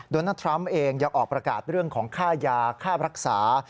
โดนัลดทรัมป์เองยังออกประกาศเรื่องของค่ายาค่ารักษา